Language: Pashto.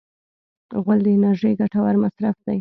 غول د انرژۍ ګټور مصرف دی.